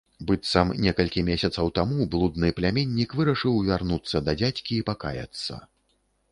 Быццам некалькі месяцаў таму блудны пляменнік вырашыў вярнуцца да дзядзькі і пакаяцца.